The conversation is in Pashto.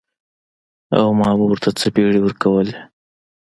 او ما به ورته څپېړې ورکولې.